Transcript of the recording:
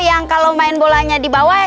yang kalau main bolanya di bawah